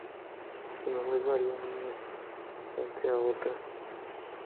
Sus nombres varían de una fuente a otra.